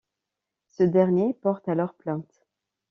Ce dernier porte alors plainte.